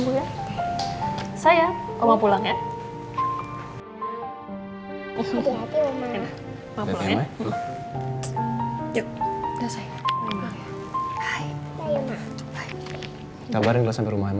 kita bareng dulu sampai rumah ma